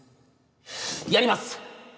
やります！